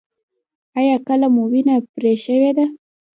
ایا کله مو وینه پرې شوې ده؟